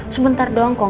sebentar doang kok